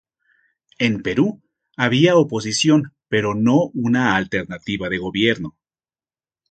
En Perú había oposición pero no una alternativa de gobierno.